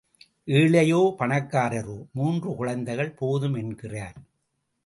ஏழையோ பணக்காரரோ மூன்று குழந்தைகள் போதும் என்கிறார்.